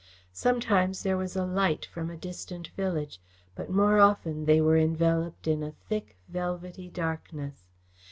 Sometimes there was a light from a distant village, but more often they were enveloped in a thick, velvety darkness.